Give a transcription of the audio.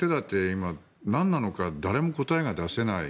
今、なんなのか誰も答えが出せない。